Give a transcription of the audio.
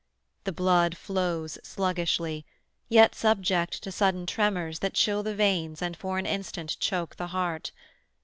The blood flows sluggishly, yet subject to sudden tremors that chill the veins and for an instant choke the heart.